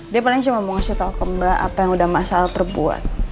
dia paling cuman mau kasih tau ke mbak apa yang udah masalah terbuat